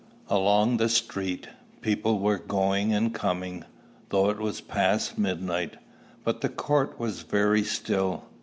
Along the street, people were going and coming, though it was past midnight, but the court was very still.